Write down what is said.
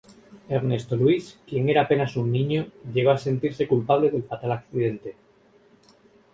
Ernesto Luis, quien era apenas un niño, llegó a sentirse culpable del fatal accidente.